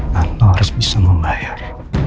dan lo harus bisa membayar